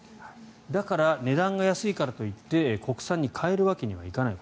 だから、値段が安いからといって国産に変えるわけにはいかない。